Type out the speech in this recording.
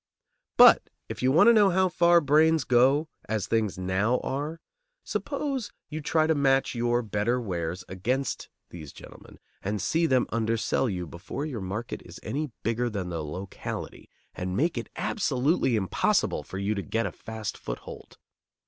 But if you want to know how far brains go, as things now are, suppose you try to match your better wares against these gentlemen, and see them undersell you before your market is any bigger than the locality and make it absolutely impossible for you to get a fast foothold.